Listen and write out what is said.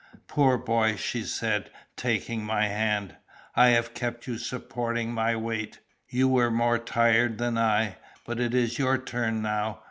"Poor boy!" she said, taking my hand, "I have kept you supporting my weight. You were more tired than I. But it is your turn now.